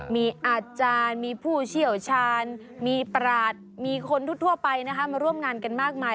มีอาจารย์มีผู้เชี่ยวชาญมีปราศมีคนทั่วไปนะคะมาร่วมงานกันมากมาย